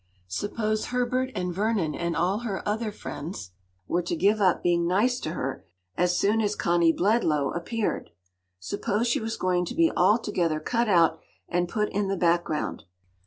Suppose Herbert and Vernon and all her other friends, were to give up being “nice” to her as soon as Connie Bledlow appeared? Suppose she was going to be altogether cut out and put in the background?